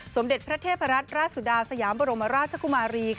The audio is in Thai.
สมเด็จพระเทพรัตนราชสุดาสยามบรมราชกุมารี